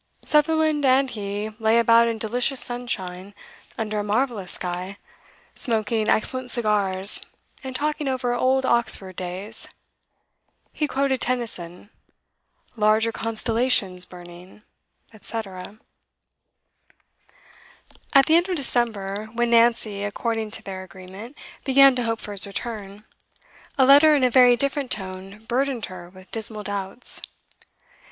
Sutherland and he lay about in delicious sunshine, under a marvellous sky, smoking excellent cigars, and talking over old Oxford days. He quoted Tennyson: 'Larger constellations burning,' &c. At the end of December, when Nancy, according to their agreement, began to hope for his return, a letter in a very different tone burdened her with dismal doubts.